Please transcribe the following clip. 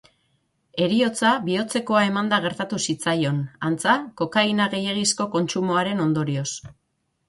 Heriotza bihotzekoa emanda gertatu zitzaion, antza, kokaina gehiegizko kontsumoaren ondorioz.